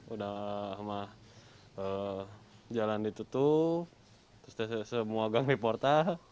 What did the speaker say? udah jalan ditutup terus semua gang di portal